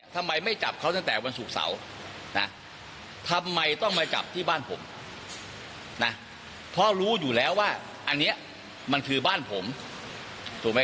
ที่นี้พอตอนสายมีการทันแหลงข่าวแล้วเนี่ยนะคะช่วงเย็น๕โมงเย็น